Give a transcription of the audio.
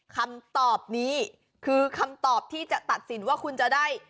คำตอบนี้คือคำตอบที่จะตัดสินว่าคุณจะได้